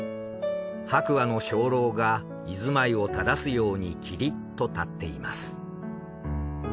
白亜の鐘楼が居住まいを正すようにキリッと建っています。